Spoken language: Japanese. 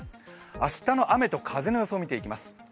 明日の雨と風の予想を見ていきます。